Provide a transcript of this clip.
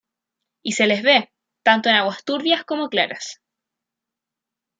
Y se les ve, tanto en aguas turbias como claras.